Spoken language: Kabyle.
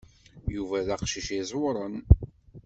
Yuba d aqcic i iẓewṛen.